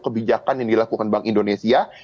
kebijakan yang dilakukan bank indonesia